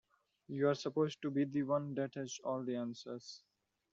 You're supposed to be the one that has all the answers.